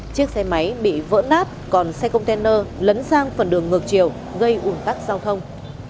chiếc xe máy bị vỡ nát còn xe container lấn sang phần đường ngược chiều gây ủn tắc giao thông